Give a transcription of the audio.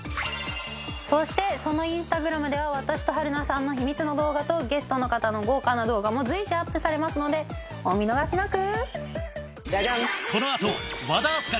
そしてそのインスタグラムでは私と春菜さんの秘密の動画とゲストの方の豪華な動画も随時アップされますのでお見逃しなく！